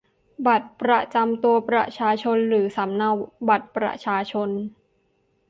บัตรประจำตัวประชาชนหรือสำเนาบัตรประชาชน